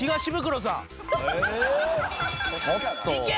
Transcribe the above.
いけ。